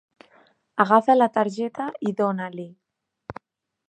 Agafa la targeta i dona-li.